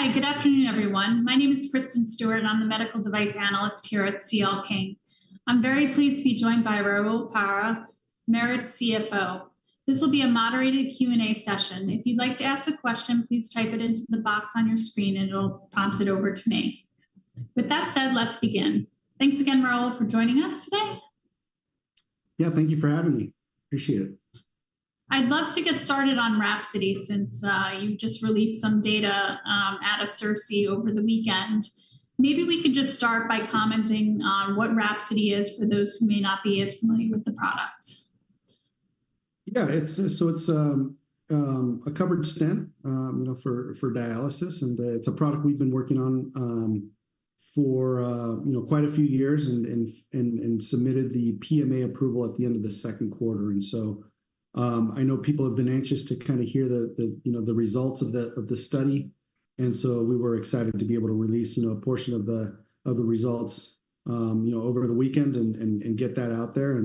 Hi, good afternoon, everyone. My name is Kristen Stewart, and I'm the medical device analyst here at CL King. I'm very pleased to be joined by Raul Parra, Merit CFO. This will be a moderated Q&A session. If you'd like to ask a question, please type it into the box on your screen, and it'll prompt it over to me. With that said, let's begin. Thanks again, Raul, for joining us today. Yeah, thank you for having me. Appreciate it. I'd love to get started on WRAPSODY since you just released some data out of CIRSE over the weekend. Maybe we could just start by commenting on what WRAPSODY is for those who may not be as familiar with the product. Yeah, so it's a covered stent, you know, for dialysis, and it's a product we've been working on, for you know, quite a few years and submitted the PMA approval at the end of the second quarter. And so, I know people have been anxious to kind of hear the you know, the results of the study, and so we were excited to be able to release you know, a portion of the results, you know, over the weekend and get that out there.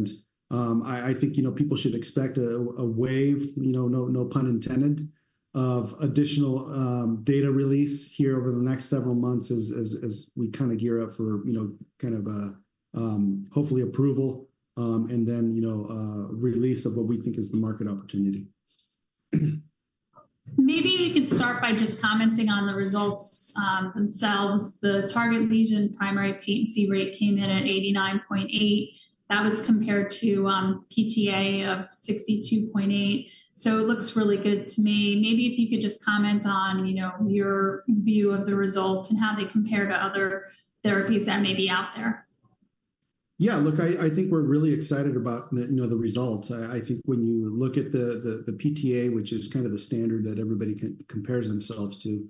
I think, you know, people should expect a wave, you know, no pun intended, of additional data release here over the next several months as we kind of gear up for, you know, kind of a hopefully approval, and then, you know, a release of what we think is the market opportunity. Maybe you could start by just commenting on the results themselves. The target lesion primary patency rate came in at 89.8%. That was compared to PTA of 62.8%, so it looks really good to me. Maybe if you could just comment on, you know, your view of the results and how they compare to other therapies that may be out there. Yeah, look, I think we're really excited about the, you know, the results. I think when you look at the PTA, which is kind of the standard that everybody compares themselves to,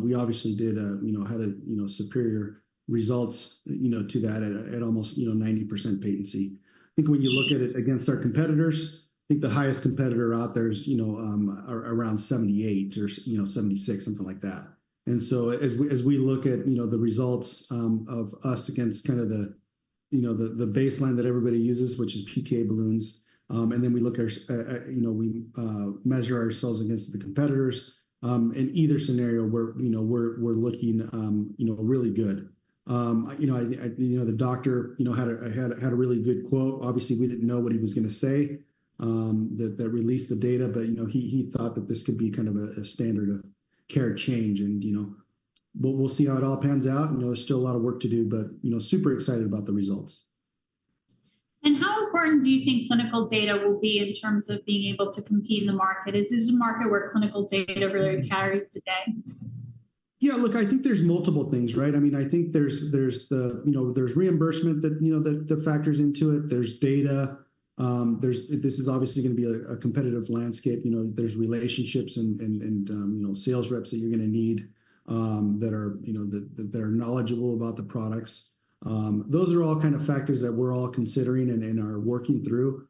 we obviously did, you know, had a, you know, superior results, you know, to that at almost, you know, 90% patency. I think when you look at it against our competitors, I think the highest competitor out there is, you know, around 78 or, you know, 76, something like that. And so as we look at, you know, the results of us against kind of the, you know, the baseline that everybody uses, which is PTA balloons, and then we look at our, you know, we measure ourselves against the competitors, in either scenario, we're, you know, we're looking, you know, really good. You know, the doctor had a really good quote. Obviously, we didn't know what he was gonna say, that released the data, but, you know, he thought that this could be kind of a standard of care change, and, you know. But we'll see how it all pans out, and there's still a lot of work to do, but, you know, super excited about the results. How important do you think clinical data will be in terms of being able to compete in the market? Is this a market where clinical data really carries the day? Yeah, look, I think there's multiple things, right? I mean, I think there's the, you know, there's reimbursement that, you know, that factors into it. There's data. This is obviously gonna be a competitive landscape, you know. There's relationships and sales reps that you're gonna need that are knowledgeable about the products. Those are all kind of factors that we're all considering and are working through.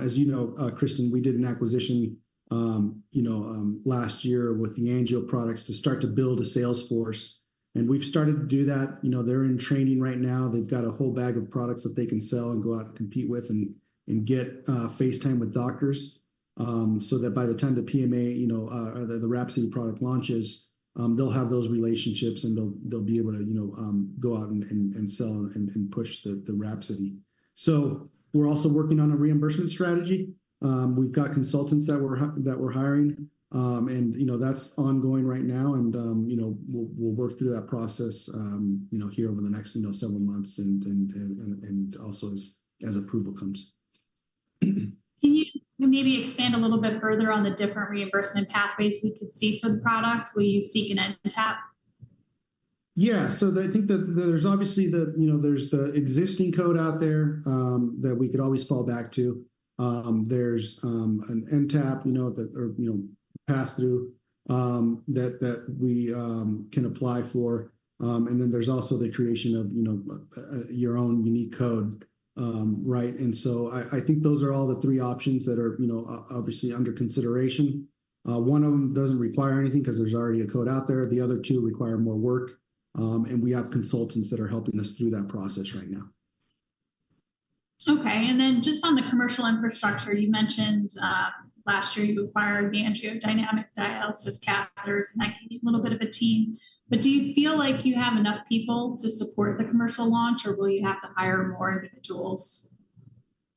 As you know, Kristen, we did an acquisition last year with the AngioDynamics products to start to build a sales force, and we've started to do that. You know, they're in training right now. They've got a whole bag of products that they can sell and go out and compete with and get face time with doctors, so that by the time the PMA, you know, or the WRAPSODY product launches, they'll have those relationships, and they'll be able to, you know, go out and sell and push the WRAPSODY. So we're also working on a reimbursement strategy. We've got consultants that we're hiring, and, you know, that's ongoing right now, and, you know, we'll work through that process, you know, here over the next, you know, several months, and also as approval comes. Can you maybe expand a little bit further on the different reimbursement pathways we could see for the product? Will you seek an NTAP? Yeah. So I think that there's obviously the, you know, there's the existing code out there that we could always fall back to. There's an NTAP, you know, that or, you know, pass-through that we can apply for. And then there's also the creation of, you know, your own unique code, right? And so I think those are all the three options that are, you know, obviously under consideration. One of them doesn't require anything 'cause there's already a code out there. The other two require more work, and we have consultants that are helping us through that process right now. Okay, and then just on the commercial infrastructure, you mentioned last year you acquired the AngioDynamics dialysis catheters, and that gave you a little bit of a team. But do you feel like you have enough people to support the commercial launch, or will you have to hire more individuals?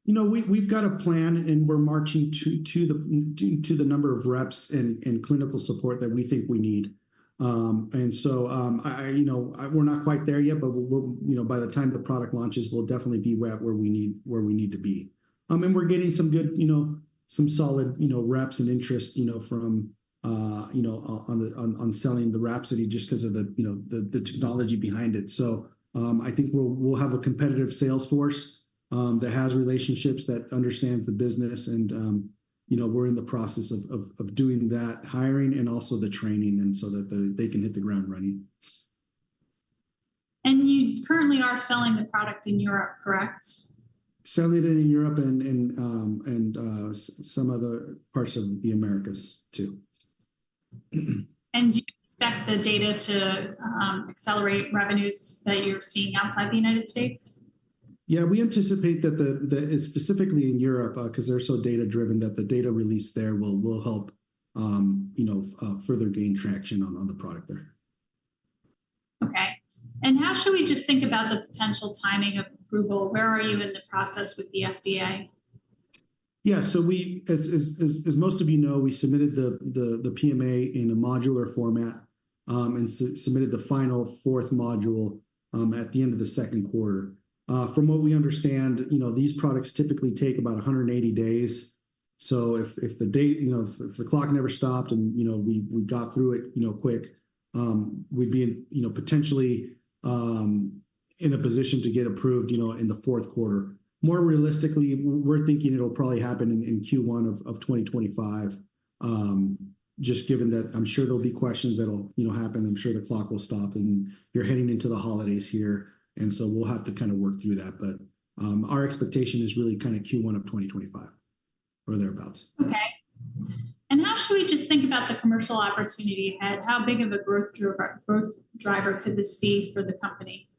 You know, we've got a plan, and we're marching to the number of reps and clinical support that we think we need. You know, we're not quite there yet, but we'll, you know, by the time the product launches, we'll definitely be right where we need to be. We're getting some good, you know, some solid, you know, reps and interest, you know, from, you know, on selling the WRAPSODY just because of the, you know, the technology behind it. I think we'll have a competitive sales force that has relationships, that understands the business, and you know, we're in the process of doing that hiring and also the training, and so that they can hit the ground running. You currently are selling the product in Europe, correct? Selling it in Europe and some other parts of the Americas, too. Do you expect the data to accelerate revenues that you're seeing outside the United States? Yeah, we anticipate that and specifically in Europe, 'cause they're so data-driven, that the data release there will help, you know, further gain traction on the product there. Okay. And how should we just think about the potential timing of approval? Where are you in the process with the FDA? Yeah, so we, as most of you know, we submitted the PMA in a modular format, and submitted the final fourth module at the end of the second quarter. From what we understand, you know, these products typically take about 180 days, so if the clock never stopped, and, you know, we got through it quick, we'd be in, you know, potentially in a position to get approved, you know, in the fourth quarter. More realistically, we're thinking it'll probably happen in Q1 of 2025, just given that I'm sure there'll be questions that'll, you know, happen, I'm sure the clock will stop, and you're heading into the holidays here, and so we'll have to kind of work through that. But, our expectation is really kind of Q1 of 2025, or thereabout. Okay. And how should we just think about the commercial opportunity ahead? How big of a growth driver could this be for the company?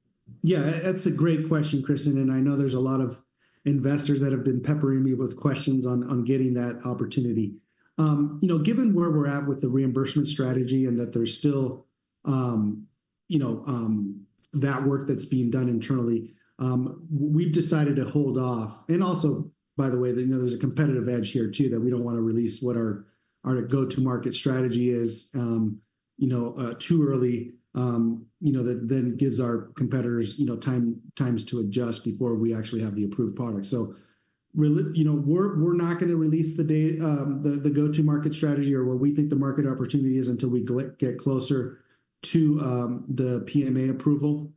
Yeah, that's a great question, Kristen, and I know there's a lot of investors that have been peppering me with questions on getting that opportunity. You know, given where we're at with the reimbursement strategy and that there's still you know that work that's being done internally, we've decided to hold off. And also, by the way, you know, there's a competitive edge here, too, that we don't wanna release what our go-to-market strategy is, you know too early, you know, that then gives our competitors, you know, time to adjust before we actually have the approved product. So, really, you know, we're not gonna release the go-to-market strategy or where we think the market opportunity is until we get closer to the PMA approval,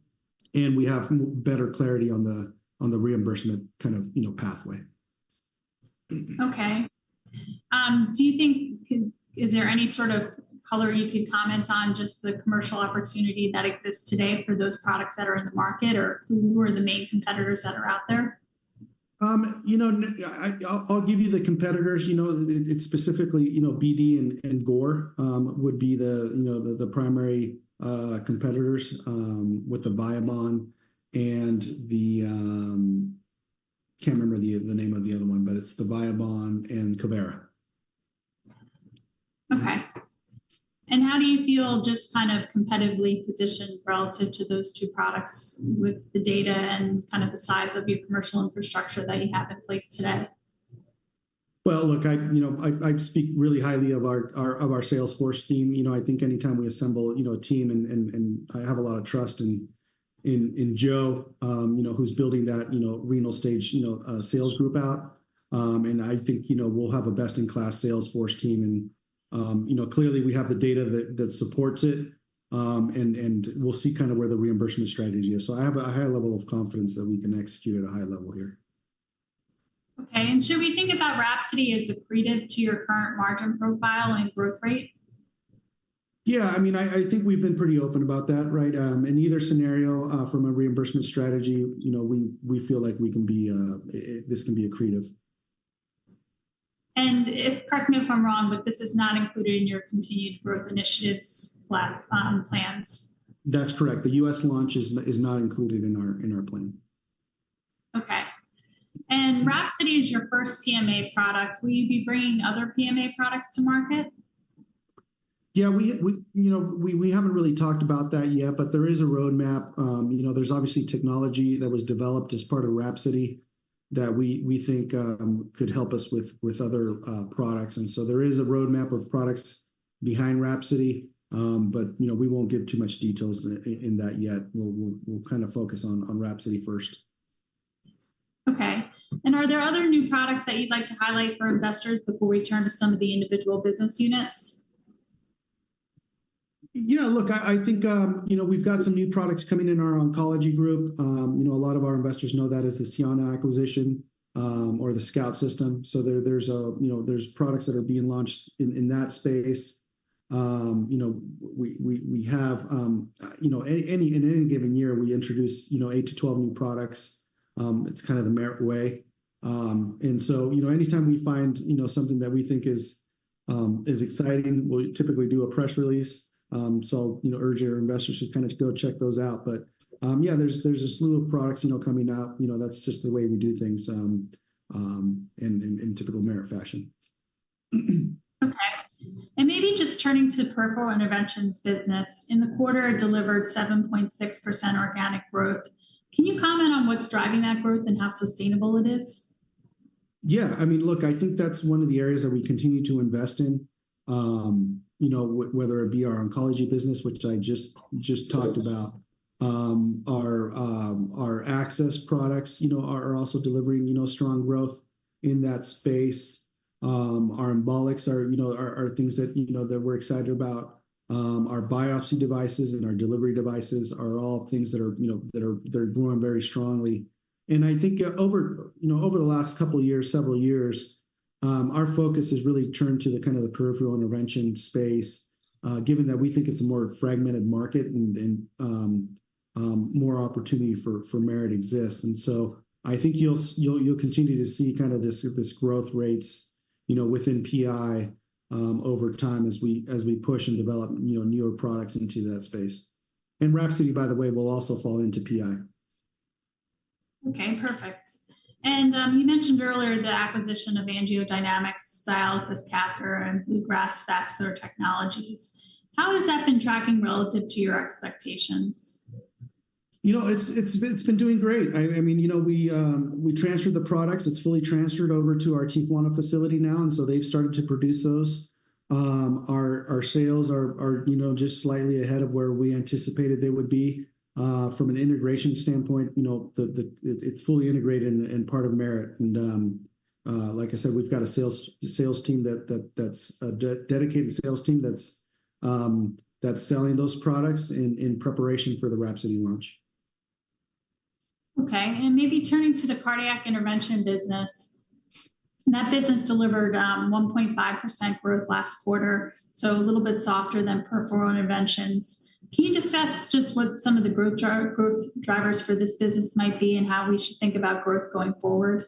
and we have better clarity on the reimbursement kind of, you know, pathway. Okay. Do you think, is there any sort of color you could comment on just the commercial opportunity that exists today for those products that are in the market, or who are the main competitors that are out there? You know, I'll give you the competitors. You know, it's specifically, you know, BD and Gore would be the, you know, the primary competitors with the Viabahn and the... Can't remember the name of the other one, but it's the Viabahn and Covera. Okay. And how do you feel just kind of competitively positioned relative to those two products with the data and kind of the size of your commercial infrastructure that you have in place today? Well, look, you know, I speak really highly of our sales force team. You know, I think anytime we assemble a team and I have a lot of trust in Joe, you know, who's building that renal space sales group out. And I think, you know, we'll have a best-in-class sales force team and, you know, clearly we have the data that supports it. And we'll see kind of where the reimbursement strategy is. So I have a high level of confidence that we can execute at a high level here. Okay, and should we think about WRAPSODY as accretive to your current margin profile and growth rate? Yeah, I mean, I think we've been pretty open about that, right? In either scenario, from a reimbursement strategy, you know, we feel like this can be accretive. And if, correct me if I'm wrong, but this is not included in your Continued Growth Initiatives plans? That's correct. The U.S. launch is not included in our plan. Okay, and WRAPSODY is your first PMA product. Will you be bringing other PMA products to market? Yeah, you know, we haven't really talked about that yet, but there is a roadmap. You know, there's obviously technology that was developed as part of WRAPSODY that we think could help us with other products. And so there is a roadmap of products behind WRAPSODY, but you know, we won't give too much details in that yet. We'll kind of focus on WRAPSODY first. Okay. And are there other new products that you'd like to highlight for investors before we turn to some of the individual business units? Yeah, look, I think, you know, we've got some new products coming in our oncology group. You know, a lot of our investors know that as the Cianna acquisition, or the SCOUT system. So there's products that are being launched in that space. You know, we have, you know, in any given year, we introduce, you know, eight to 12 new products. It's kind of the Merit way. And so, you know, anytime we find, you know, something that we think is exciting, we'll typically do a press release. So, you know, urge your investors to kind of go check those out. But, yeah, there's a slew of products, you know, coming out. You know, that's just the way we do things in typical Merit fashion. Okay. And maybe just turning to peripheral interventions business, in the quarter, it delivered 7.6% organic growth. Can you comment on what's driving that growth and how sustainable it is? Yeah, I mean, look, I think that's one of the areas that we continue to invest in. You know, whether it be our oncology business, which I just talked about, our access products, you know, are also delivering, you know, strong growth in that space. Our embolics are, you know, are things that, you know, that we're excited about. Our biopsy devices and our delivery devices are all things that are, you know, that are, they're growing very strongly. And I think, over, you know, over the last couple of years, several years, our focus has really turned to the kind of the peripheral intervention space, given that we think it's a more fragmented market and, and, more opportunity for, for Merit exists. I think you'll continue to see kind of this growth rates, you know, within PI over time as we push and develop, you know, newer products into that space. WRAPSODY, by the way, will also fall into PI. Okay, perfect. And, you mentioned earlier the acquisition of AngioDynamics dialysis catheter and Bluegrass Vascular Technologies. How has that been tracking relative to your expectations? You know, it's been doing great. I mean, you know, we transferred the products. It's fully transferred over to our Tijuana facility now, and so they've started to produce those. Our sales are, you know, just slightly ahead of where we anticipated they would be. From an integration standpoint, you know, it's fully integrated and part of Merit. And, like I said, we've got a sales team that's a dedicated sales team that's selling those products in preparation for the WRAPSODY launch. Okay. Maybe turning to the cardiac intervention business, that business delivered 1.5% growth last quarter, so a little bit softer than peripheral interventions. Can you discuss just what some of the growth drivers for this business might be, and how we should think about growth going forward?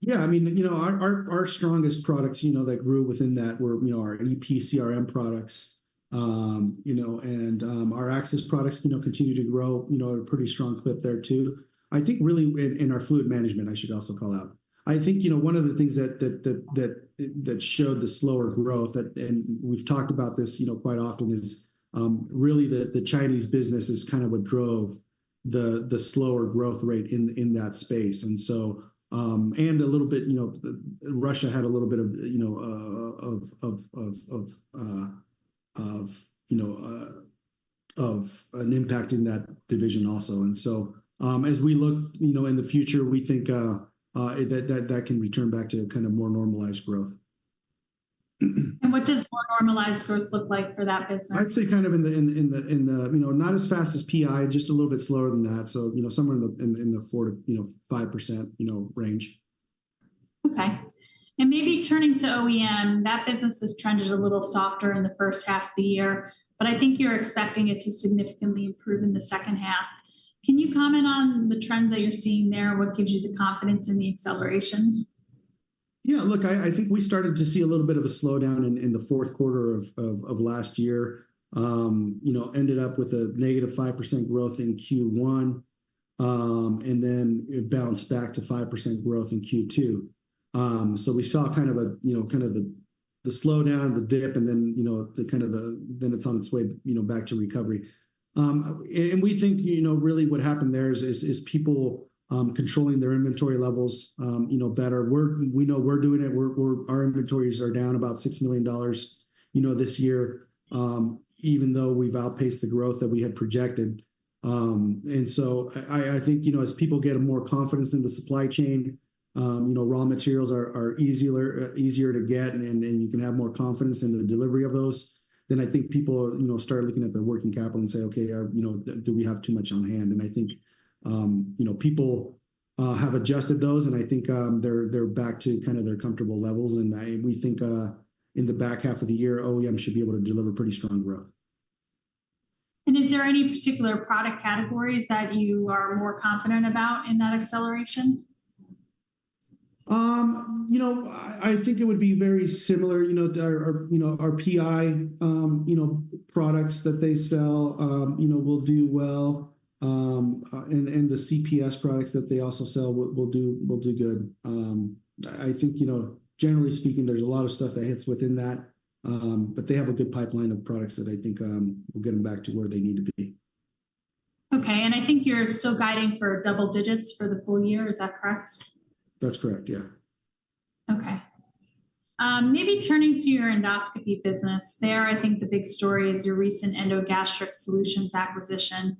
Yeah, I mean, you know, our strongest products, you know, that grew within that were, you know, our EP/CRM products. You know, and our access products, you know, continue to grow, you know, at a pretty strong clip there, too. I think really in our fluid management, I should also call out. I think, you know, one of the things that showed the slower growth, and we've talked about this, you know, quite often, is really the Chinese business is kind of what drove the slower growth rate in that space. And so, and a little bit, you know, Russia had a little bit of, you know, of an impact in that division also. And so, as we look, you know, in the future, we think that can return back to a kind of more normalized growth. What does more normalized growth look like for that business? I'd say kind of in the, you know, not as fast as PI, just a little bit slower than that, so, you know, somewhere in the 4-5% range. Okay, and maybe turning to OEM, that business has trended a little softer in the first half of the year, but I think you're expecting it to significantly improve in the second half. Can you comment on the trends that you're seeing there? What gives you the confidence in the acceleration? Yeah, look, I think we started to see a little bit of a slowdown in the fourth quarter of last year. You know, ended up with a negative 5% growth in Q1, and then it bounced back to 5% growth in Q2. So we saw kind of a slowdown, the dip, and then, you know, then it's on its way, you know, back to recovery. And we think, you know, really what happened there is people controlling their inventory levels, you know, better. We know we're doing it. Our inventories are down about $6 million, you know, this year, even though we've outpaced the growth that we had projected. And so I think, you know, as people get more confidence in the supply chain, you know, raw materials are easier to get, and then you can have more confidence in the delivery of those, then I think people, you know, start looking at their working capital and say, "Okay, you know, do we have too much on hand?" And I think, you know, people have adjusted those, and I think, they're back to kind of their comfortable levels. And we think, in the back half of the year, OEM should be able to deliver pretty strong growth. Is there any particular product categories that you are more confident about in that acceleration? You know, I think it would be very similar, you know, to our, you know, our PI products that they sell, you know, will do well. And the CPS products that they also sell will do good. I think, you know, generally speaking, there's a lot of stuff that hits within that, but they have a good pipeline of products that I think will get them back to where they need to be. Okay, and I think you're still guiding for double digits for the full year. Is that correct? That's correct, yeah. Okay. Maybe turning to your endoscopy business. There, I think the big story is your recent EndoGastric Solutions acquisition.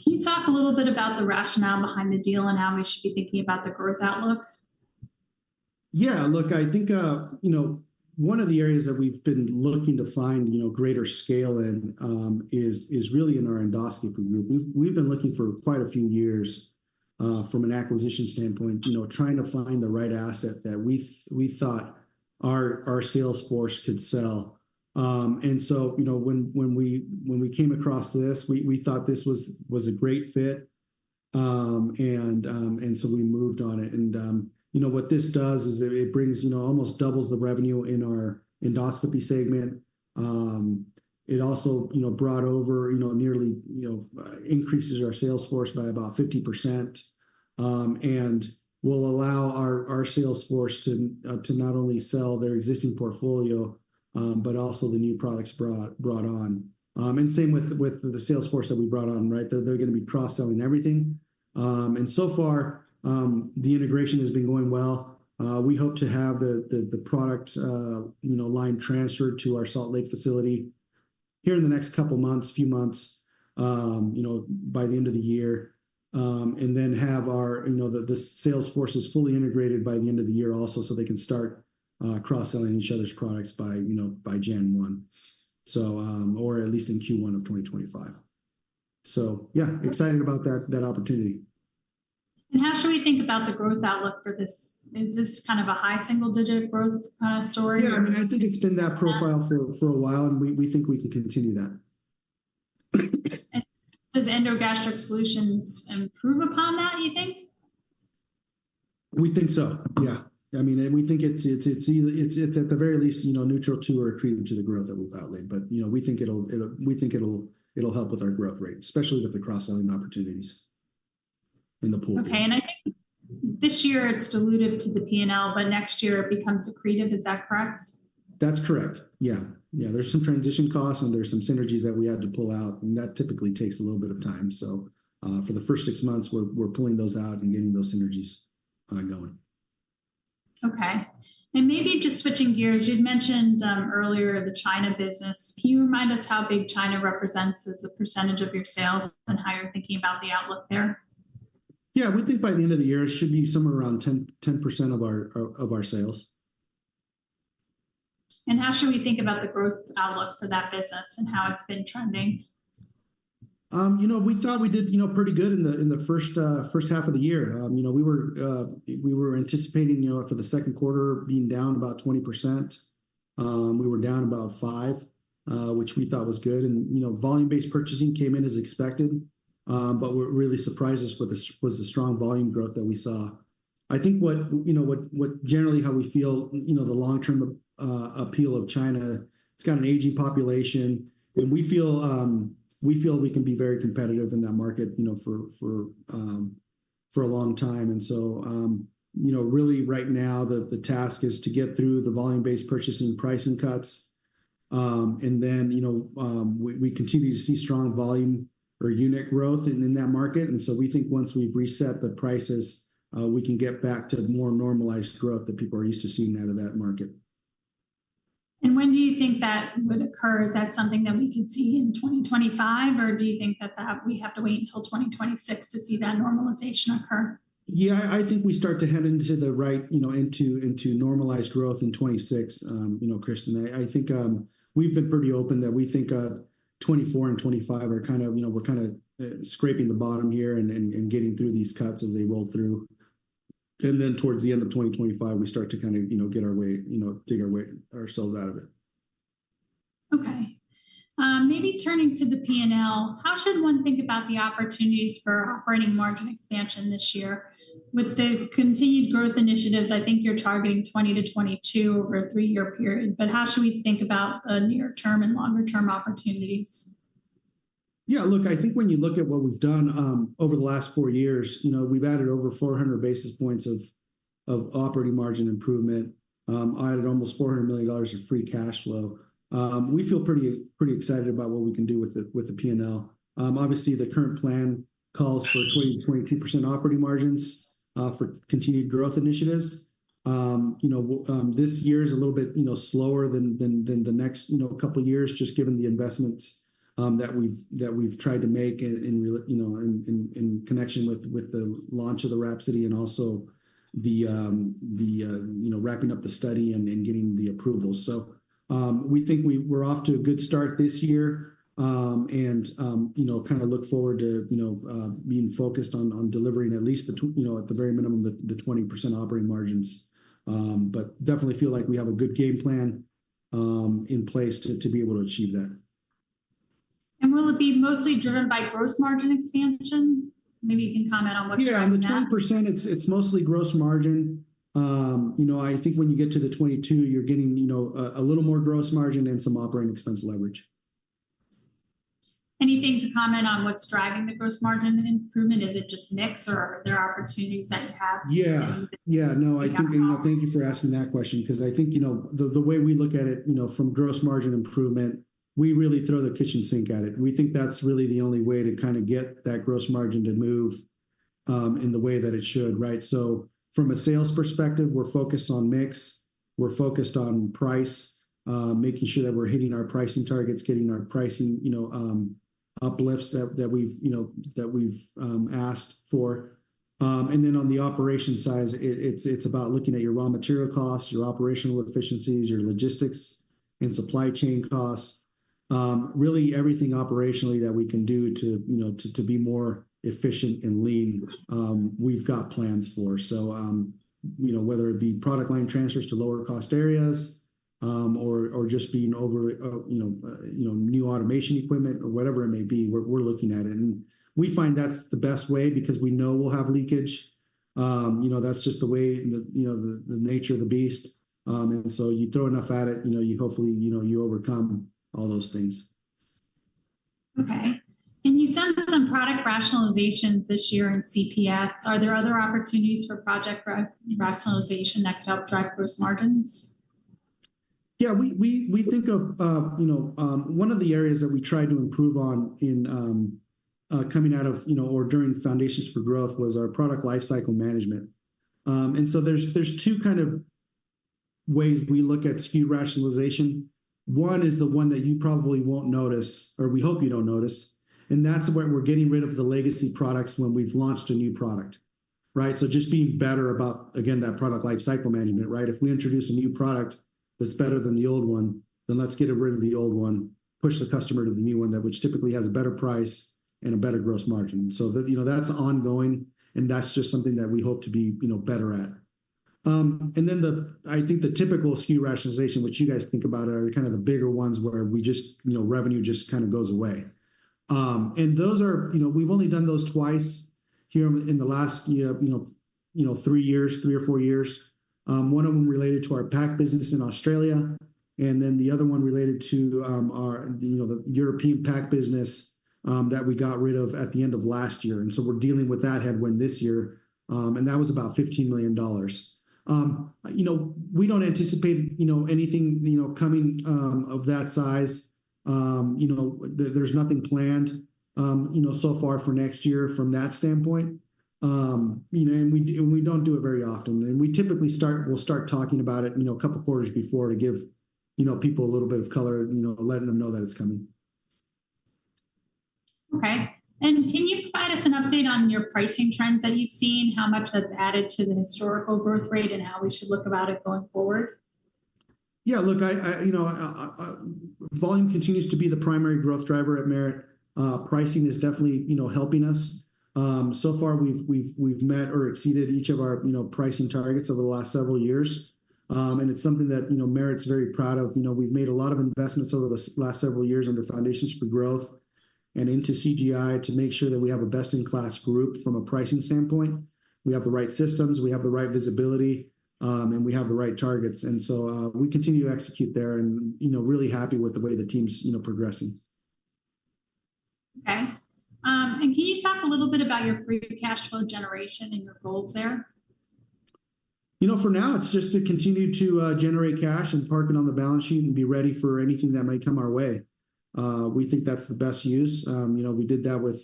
Can you talk a little bit about the rationale behind the deal and how we should be thinking about the growth outlook? Yeah, look, I think, you know, one of the areas that we've been looking to find, you know, greater scale in, is really in our endoscopy group. We've been looking for quite a few years, from an acquisition standpoint, you know, trying to find the right asset that we thought our sales force could sell. And so, you know, when we came across this, we thought this was a great fit. And so we moved on it. And, you know, what this does is it brings, you know, almost doubles the revenue in our endoscopy segment. It also, you know, brought over, you know, nearly increases our sales force by about 50%, and will allow our sales force to not only sell their existing portfolio, but also the new products brought on. And same with the sales force that we brought on, right? They're gonna be cross-selling everything. And so far, the integration has been going well. We hope to have the product line transferred to our Salt Lake facility here in the next couple months, few months, you know, by the end of the year. And then have our, you know, the sales forces fully integrated by the end of the year also, so they can start cross-selling each other's products by, you know, by January 1. So... or at least in Q1 of 2025. So yeah, excited about that, that opportunity.... And how should we think about the growth outlook for this? Is this kind of a high single-digit growth story or- Yeah, I mean, I think it's been that profile for a while, and we think we can continue that. Does EndoGastric Solutions improve upon that, you think? We think so, yeah. I mean, we think it's at the very least, you know, neutral to or accretive to the growth that we've outlined. But, you know, we think it'll help with our growth rate, especially with the cross-selling opportunities in the pool. Okay, and I think this year it's dilutive to the P&L, but next year it becomes accretive. Is that correct? That's correct. Yeah. Yeah, there's some transition costs and there's some synergies that we had to pull out, and that typically takes a little bit of time. So, for the first six months, we're pulling those out and getting those synergies going. Okay. And maybe just switching gears, you'd mentioned earlier the China business. Can you remind us how big China represents as a percentage of your sales and how you're thinking about the outlook there? Yeah, we think by the end of the year, it should be somewhere around 10% of our sales. How should we think about the growth outlook for that business and how it's been trending? You know, we thought we did, you know, pretty good in the, in the first, first half of the year. You know, we were, we were anticipating, you know, for the second quarter being down about 20%. We were down about 5%, which we thought was good. And, you know, volume-based purchasing came in as expected, but what really surprised us was the strong volume growth that we saw. I think what, you know, what, what generally how we feel, you know, the long-term, appeal of China, it's got an aging population, and we feel, we feel we can be very competitive in that market, you know, for, for, for a long time. And so, you know, really right now the, the task is to get through the volume-based purchasing pricing cuts. And then, you know, we continue to see strong volume or unit growth in that market, and so we think once we've reset the prices, we can get back to more normalized growth that people are used to seeing out of that market. When do you think that would occur? Is that something that we could see in 2025, or do you think that we have to wait until 2026 to see that normalization occur? Yeah, I think we start to head into the right, you know, into normalized growth in 2026, you know, Kristen. I think we've been pretty open that we think 2024 and 2025 are kind of, you know, we're kind of scraping the bottom here and getting through these cuts as they roll through. And then towards the end of 2025, we start to kind of, you know, get our way, you know, dig our way ourselves out of it. Okay. Maybe turning to the P&L, how should one think about the opportunities for operating margin expansion this year? With the Continued Growth Initiatives, I think you're targeting 20%-22% over a three-year period. But how should we think about the near-term and longer-term opportunities? Yeah, look, I think when you look at what we've done over the last four years, you know, we've added over 400 basis points of operating margin improvement, added almost $400 million of free cash flow. We feel pretty excited about what we can do with the P&L. Obviously, the current plan calls for 20%-22% operating margins for Continued Growth Initiatives. You know, this year is a little bit, you know, slower than the next couple of years, just given the investments that we've tried to make in connection with the launch of the WRAPSODY and also the wrapping up the study and getting the approval. We think we're off to a good start this year, and you know, kind of look forward to you know, being focused on delivering at least the 20%, you know, at the very minimum, the 20% operating margins. But definitely feel like we have a good game plan in place to be able to achieve that. Will it be mostly driven by gross margin expansion? Maybe you can comment on what's driving that. Yeah, on the 20%, it's mostly gross margin. You know, I think when you get to the 22%, you're getting, you know, a little more gross margin and some operating expense leverage. Anything to comment on what's driving the gross margin improvement? Is it just mix, or are there opportunities that you have? Yeah. Yeah, no, I think-... You know, thank you for asking that question, 'cause I think, you know, the way we look at it, you know, from gross margin improvement, we really throw the kitchen sink at it. We think that's really the only way to kind of get that gross margin to move, in the way that it should, right? So from a sales perspective, we're focused on mix, we're focused on price, making sure that we're hitting our pricing targets, getting our pricing, you know, uplifts that we've asked for. And then on the operation side, it's about looking at your raw material costs, your operational efficiencies, your logistics and supply chain costs. Really everything operationally that we can do to be more efficient and lean, we've got plans for. So, you know, whether it be product line transfers to lower cost areas, or just being over, you know, new automation equipment or whatever it may be, we're looking at it. And we find that's the best way because we know we'll have leakage. You know, that's just the way, the nature of the beast. And so you throw enough at it, you know, hopefully you overcome all those things. Okay. And you've done some product rationalizations this year in CPS. Are there other opportunities for product rationalization that could help drive gross margins? Yeah, we think of, you know, one of the areas that we tried to improve on in, coming out of, you know, or during Foundations for Growth was our product lifecycle management. And so there's two kind of ways we look at SKU rationalization. One is the one that you probably won't notice, or we hope you don't notice, and that's where we're getting rid of the legacy products when we've launched a new product, right? So just being better about, again, that product lifecycle management, right? If we introduce a new product that's better than the old one, then let's get rid of the old one, push the customer to the new one, that which typically has a better price and a better gross margin. So that, you know, that's ongoing, and that's just something that we hope to be, you know, better at. And then I think the typical SKU rationalization, which you guys think about, are the kind of the bigger ones, where we just, you know, revenue just kind of goes away. And those are, you know, we've only done those twice here in the last year, you know, three years, three or four years. One of them related to our pack business in Australia, and then the other one related to our, you know, the European pack business that we got rid of at the end of last year, and so we're dealing with that headwind this year. And that was about $15 million. You know, we don't anticipate, you know, anything, you know, coming of that size. You know, there, there's nothing planned, you know, so far for next year from that standpoint. You know, and we, and we don't do it very often, and we typically start talking about it, you know, a couple quarters before to give, you know, people a little bit of color, you know, letting them know that it's coming. Okay, and can you provide us an update on your pricing trends that you've seen, how much that's added to the historical growth rate, and how we should look about it going forward? Yeah, look, you know, volume continues to be the primary growth driver at Merit. Pricing is definitely, you know, helping us. So far we've met or exceeded each of our, you know, pricing targets over the last several years. And it's something that, you know, Merit's very proud of. You know, we've made a lot of investments over the last several years under Foundations for Growth and into CGI to make sure that we have a best-in-class group from a pricing standpoint. We have the right systems, we have the right visibility, and we have the right targets. And so, we continue to execute there and, you know, really happy with the way the team's, you know, progressing. Okay, and can you talk a little bit about your free cash flow generation and your goals there? You know, for now, it's just to continue to generate cash and park it on the balance sheet and be ready for anything that may come our way. We think that's the best use. You know, we did that with,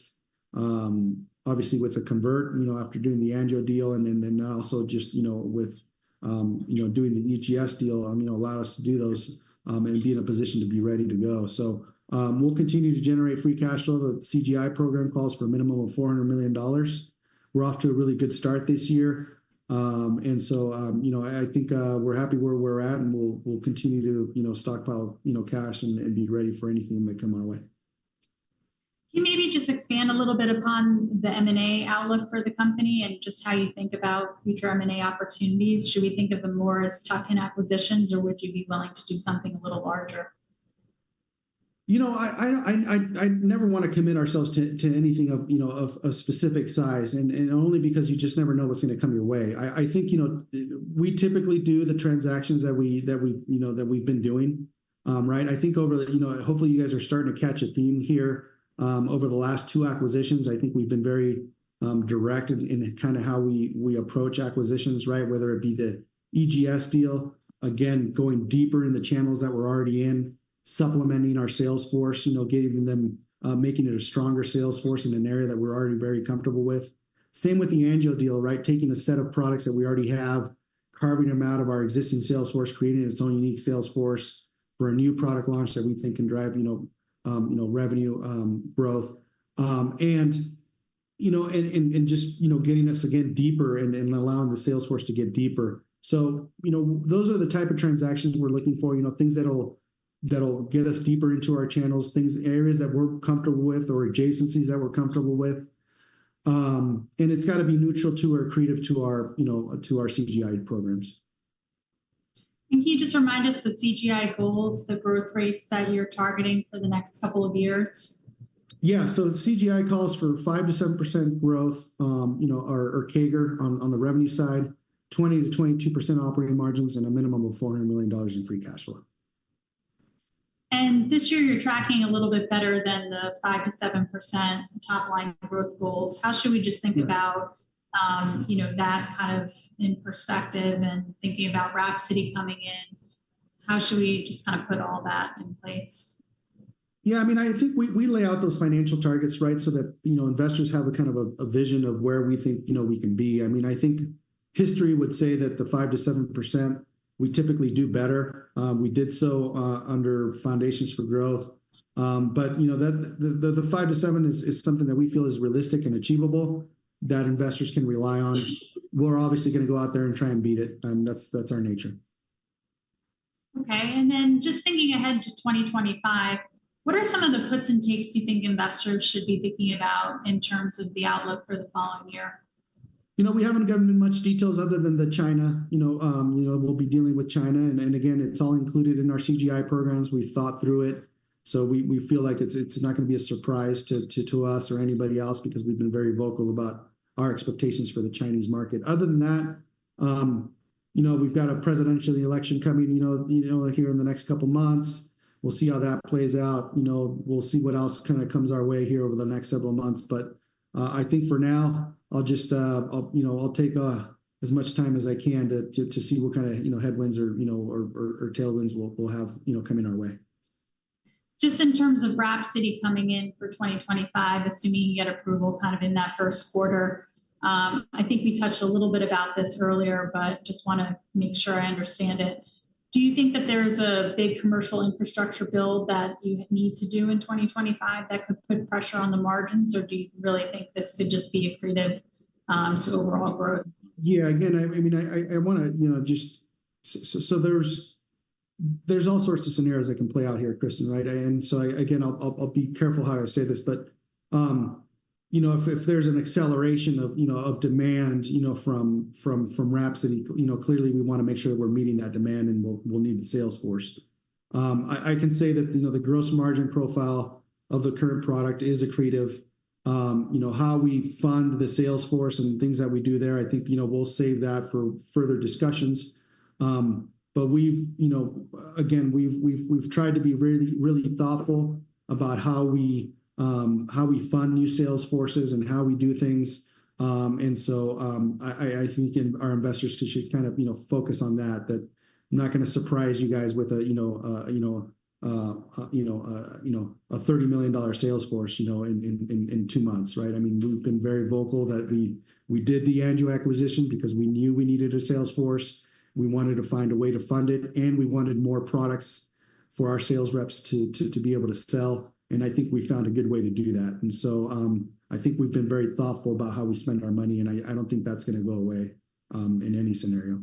obviously with the convert, you know, after doing the AngioDynamics deal, and then now also just, you know, with, you know, doing the EndoGastric Solutions deal, you know, allowed us to do those, and be in a position to be ready to go. So, we'll continue to generate free cash flow. The CGI program calls for a minimum of $400 million. We're off to a really good start this year. And so, you know, I think we're happy where we're at, and we'll continue to, you know, stockpile, you know, cash and be ready for anything that may come our way. Can you maybe just expand a little bit upon the M&A outlook for the company and just how you think about future M&A opportunities? Should we think of them more as tuck-in acquisitions, or would you be willing to do something a little larger? You know, I never wanna commit ourselves to anything of, you know, of a specific size, and only because you just never know what's gonna come your way. I think, you know, we typically do the transactions that we've been doing. Right? I think over the... You know, hopefully, you guys are starting to catch a theme here. Over the last two acquisitions, I think we've been very direct in kind of how we approach acquisitions, right? Whether it be the EGS deal, again, going deeper in the channels that we're already in, supplementing our sales force, you know, giving them making it a stronger sales force in an area that we're already very comfortable with. Same with the Angio deal, right? Taking a set of products that we already have, carving them out of our existing sales force, creating its own unique sales force for a new product launch that we think can drive, you know, you know, revenue growth. And, you know, and just, you know, getting us to get deeper and allowing the sales force to get deeper. So, you know, those are the type of transactions we're looking for. You know, things that'll get us deeper into our channels, things, areas that we're comfortable with or adjacencies that we're comfortable with. And it's gotta be neutral to, or accretive to our, you know, to our CGI programs. Can you just remind us the CGI goals, the growth rates that you're targeting for the next couple of years? Yeah. So the CGI calls for 5%-7% growth, you know, or CAGR on the revenue side, 20%-22% operating margins, and a minimum of $400 million in free cash flow. This year, you're tracking a little bit better than the 5-7% top-line growth goals. How should we just think about, you know, that kind of in perspective and thinking about WRAPSODY coming in? How should we just kind of put all that in place? Yeah, I mean, I think we lay out those financial targets, right? So that, you know, investors have a kind of a vision of where we think, you know, we can be. I mean, I think history would say that the 5%-7%, we typically do better. We did so under Foundations for Growth, but you know, that the 5%-7% is something that we feel is realistic and achievable, that investors can rely on. We're obviously gonna go out there and try and beat it, and that's our nature. Okay. And then just thinking ahead to 2025, what are some of the puts and takes you think investors should be thinking about in terms of the outlook for the following year? You know, we haven't gotten in much details other than the China, you know, you know, we'll be dealing with China, and then again, it's all included in our CGI programs. We've thought through it, so we feel like it's not gonna be a surprise to us or anybody else because we've been very vocal about our expectations for the Chinese market. Other than that, you know, we've got a presidential election coming here in the next couple of months. We'll see how that plays out. You know, we'll see what else kind of comes our way here over the next several months, but I think for now, I'll just, you know, take as much time as I can to see what kind of, you know, headwinds or, you know, tailwinds we'll have, you know, coming our way. Just in terms of WRAPSODY coming in for 2025, assuming you get approval kind of in that first quarter, I think we touched a little bit about this earlier, but just wanna make sure I understand it. Do you think that there is a big commercial infrastructure build that you need to do in 2025 that could put pressure on the margins, or do you really think this could just be accretive to overall growth? Yeah, again, I mean, I want to, you know, just so there's all sorts of scenarios that can play out here, Kristen, right? And so again, I'll be careful how I say this, but, you know, if there's an acceleration of demand from WRAPSODY, you know, clearly we want to make sure that we're meeting that demand, and we'll need the sales force. I can say that, you know, the gross margin profile of the current product is accretive. You know, how we fund the sales force and things that we do there, I think, you know, we'll save that for further discussions. But we've, you know, again, tried to be really thoughtful about how we fund new sales forces and how we do things. And so, I think our investors should kind of, you know, focus on that I'm not going to surprise you guys with a, you know, $30 million sales force, you know, in two months, right? I mean, we've been very vocal that we did the EndoGastric acquisition because we knew we needed a sales force. We wanted to find a way to fund it, and we wanted more products for our sales reps to be able to sell, and I think we found a good way to do that. And so, I think we've been very thoughtful about how we spend our money, and I don't think that's going to go away, in any scenario.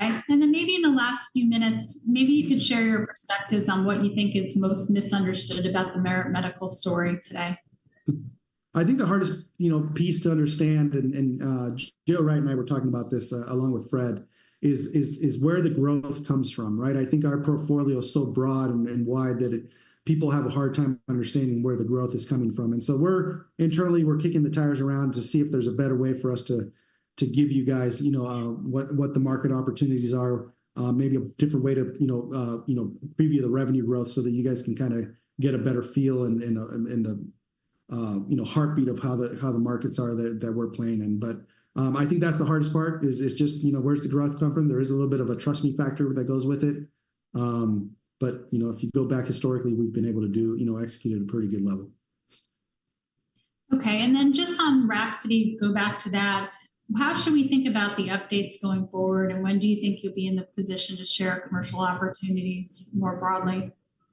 Okay, and then maybe in the last few minutes, maybe you could share your perspectives on what you think is most misunderstood about the Merit Medical story today? I think the hardest, you know, piece to understand, and Joe, Ryan, and I were talking about this along with Fred, is where the growth comes from, right? I think our portfolio is so broad and wide that it, people have a hard time understanding where the growth is coming from, and so we're internally kicking the tires around to see if there's a better way for us to give you guys, you know, what the market opportunities are. Maybe a different way to, you know, you know, preview the revenue growth so that you guys can kinda get a better feel and you know, heartbeat of how the markets are that we're playing in. But, I think that's the hardest part, is just, you know, where's the growth coming from? There is a little bit of a trust me factor that goes with it. But, you know, if you go back historically, we've been able to do... you know, execute at a pretty good level. Okay, and then just on WRAPSODY, go back to that, how should we think about the updates going forward, and when do you think you'll be in the position to share commercial opportunities more broadly?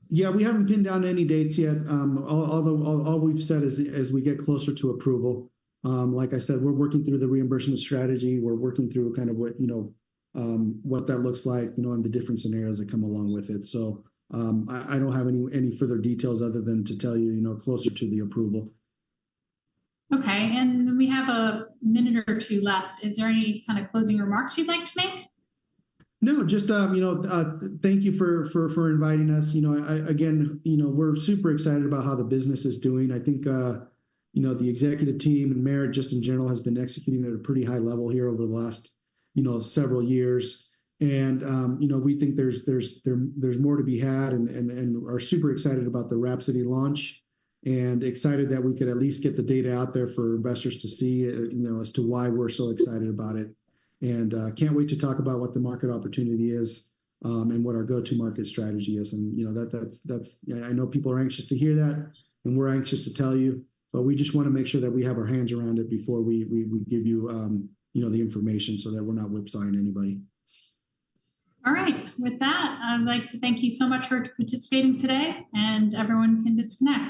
Yeah, we haven't pinned down any dates yet. Although all we've said is, as we get closer to approval. Like I said, we're working through the reimbursement strategy. We're working through kind of what, you know, what that looks like, you know, and the different scenarios that come along with it. So, I don't have any further details other than to tell you, you know, closer to the approval. Okay, and we have a minute or two left. Is there any kind of closing remarks you'd like to make? No, just, you know, thank you for inviting us. You know, I, again, you know, we're super excited about how the business is doing. I think, you know, the executive team and Merit, just in general, has been executing at a pretty high level here over the last, you know, several years. And, you know, we think there's more to be had and are super excited about the WRAPSODY launch. And excited that we could at least get the data out there for investors to see, you know, as to why we're so excited about it. And, can't wait to talk about what the market opportunity is, and what our go-to-market strategy is. And, you know, that, that's-- I know people are anxious to hear that, and we're anxious to tell you. But we just want to make sure that we have our hands around it before we give you, you know, the information so that we're not whipsawing anybody. All right. With that, I'd like to thank you so much for participating today, and everyone can disconnect.